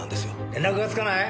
連絡がつかない！？